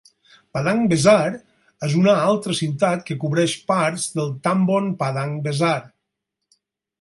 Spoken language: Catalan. Padang Besar és una altra ciutat que cobreix parts del Tambon Padang Besar.